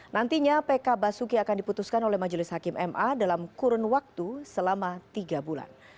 nantinya pk basuki akan diputuskan oleh majelis hakim ma dalam kurun waktu selama tiga bulan